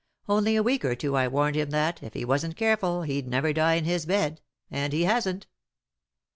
Only a week or two ago I warned him that, if he wasn't careful, he'd never die in his bed; and he hasn't.